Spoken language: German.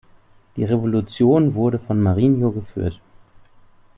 Die Revolution wurde von Mariño geführt.